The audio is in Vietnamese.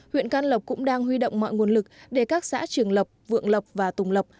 huyện can lộc cũng đang huy động mọi nguồn lực để các xã trường lập vượng lộc và tùng lộc